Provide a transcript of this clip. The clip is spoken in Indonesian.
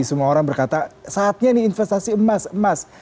semua orang berkata saatnya ini investasi emas